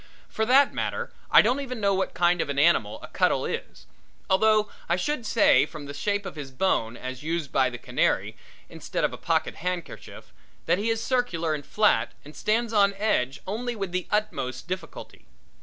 For that matter, I don't even know what kind of an animal a cuttle is, although I should say from the shape of his bone as used by the canary instead of a pocket handkerchief, that he is circular and flat and stands on edge only with the utmost difficulty.